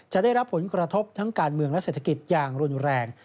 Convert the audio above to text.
จะได้รับผลกระทบทั้งการเมืองและเศรษฐกิจอย่างรุนแรง